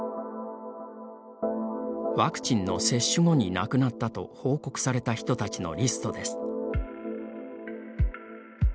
ワクチンの接種後に亡くなったと報告された人たちのリストです。